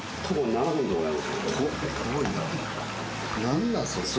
何なんそれ。